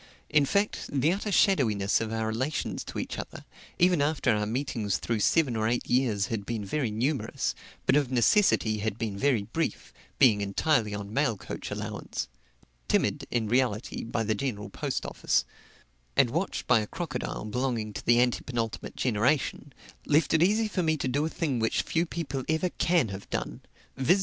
In fact, the utter shadowyness of our relations to each other, even after our meetings through seven or eight years had been very numerous, but of necessity had been very brief, being entirely on mail coach allowance timid, in reality, by the General Post Office and watched by a crocodile belonging to the antepenultimate generation, left it easy for me to do a thing which few people ever can have done viz.